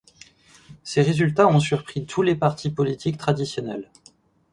Ces résultats ont surpris tous les partis politiques traditionnels.